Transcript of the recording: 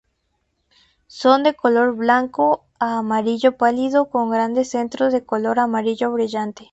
Son de color blanco a amarillo pálido con grandes centros de color amarillo brillante.